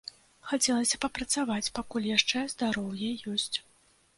Хацелася папрацаваць, пакуль яшчэ здароўе ёсць.